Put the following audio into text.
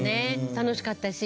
楽しかったし。